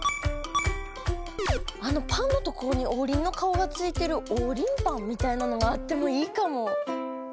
あのパンのところにオウリンの顔がついてるオウリンパンみたいなのがあってもいいかも。